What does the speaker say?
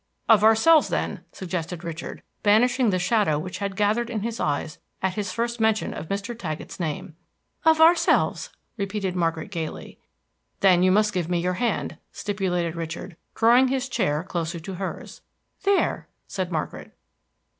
"Of ourselves, then," suggested Richard, banishing the shadow which had gathered in his eyes at his first mention of Mr. Taggett's name. "Of ourselves," repeated Margaret gayly. "Then you must give me your hand," stipulated Richard, drawing his chair closer to hers. "There!" said Margaret.